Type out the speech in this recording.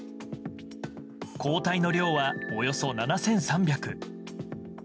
抗体の量はおよそ７３００。